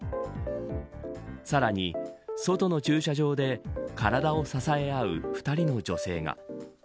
さらに外の駐車場で体を支え合う２人の女性が。